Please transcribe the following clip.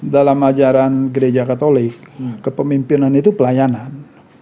dalam ajaran gereja katolik kepemimpinan itu pelayanan